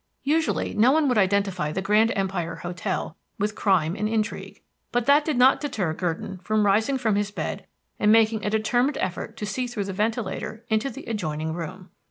Usually, no one would identify the Grand Empire Hotel with crime and intrigue; but that did not deter Gurdon from rising from his bed and making a determined effort to see through the ventilator into the adjoining room.